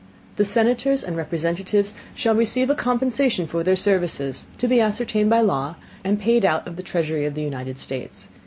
The Senators and Representatives shall receive a Compensation for their Services, to be ascertained by Law, and paid out of the Treasury of the United States.